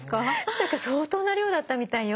何か相当な量だったみたいよ。